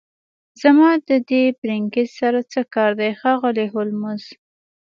زما د دې پرکینز سره څه کار دی ښاغلی هولمز